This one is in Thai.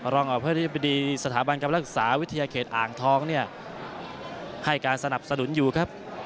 รองอธิบดีสถาบันการรักษาวิทยาเขตอ่างทองเนี่ยให้การสนับสนุนอยู่ครับ